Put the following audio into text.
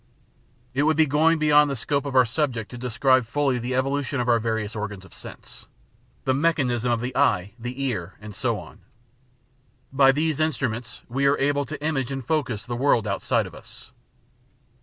It would be going beyond the scope of oiu* subject to describe fully the evolution of our various organs of sense — ^the mechanism of the eye, the ear, and so on. By these instruments we are able to image and focus the world outside of us.